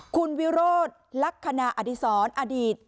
คุณวิโรธลักษณะอดีศรอดีต